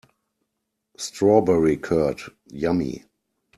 Strawberry curd, yummy!